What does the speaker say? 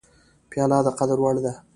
پیاله د قدر وړ ده.